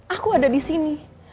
aku ada disini